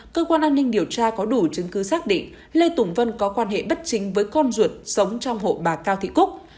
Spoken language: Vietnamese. cơ quan an ninh điều tra có đủ chứng cứ xác định lê tùng vân có quan hệ bất chính với con ruột sống trong hộ bà cao thị cúc